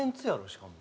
しかも。